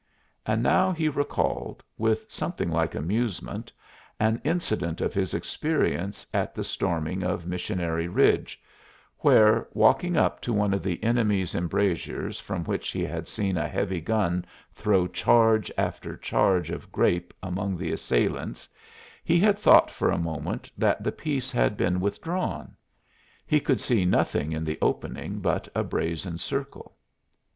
And now he recalled, with something like amusement, an incident of his experience at the storming of Missionary Ridge, where, walking up to one of the enemy's embrasures from which he had seen a heavy gun throw charge after charge of grape among the assailants he had thought for a moment that the piece had been withdrawn; he could see nothing in the opening but a brazen circle.